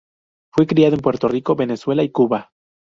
Fue criado en Puerto Rico, Venezuela y Cuba.